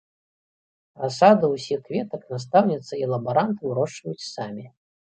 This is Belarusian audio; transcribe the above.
Расаду ўсіх кветак настаўніца і лабарант вырошчваюць самі.